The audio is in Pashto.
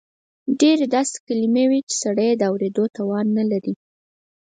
ډېر داسې کلیمې وې چې سړی یې نور د اورېدو توان نه لري.